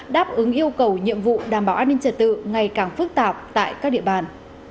đáp ứng yêu cầu nhiệm vụ đảm bảo an ninh trật tự ngày càng phức tạp tại các địa bàn